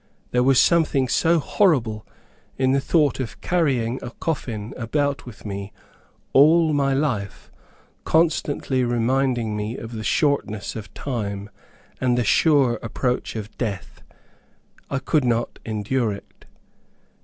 There was something so horrible in the thought of carrying a coffin about with me all my life, constantly reminding me of the shortness of time, and the sure approach of death, I could not endure it.